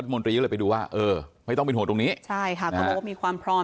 เพราะว่าเป็นพื้นที่